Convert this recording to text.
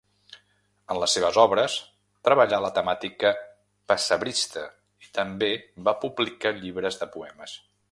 En les seves obres treballà la temàtica pessebrista i també va publicar llibres de poemes.